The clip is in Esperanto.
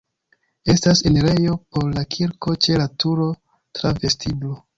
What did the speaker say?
Estas enirejo por la kirko ĉe la turo tra vestiblo.